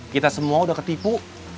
kita semua udah ketipu